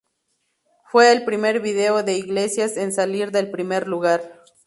Fue el primer video de Iglesias en salir del primer lugar.